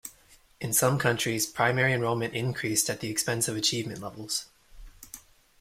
In some countries, primary enrollment increased at the expense of achievement levels.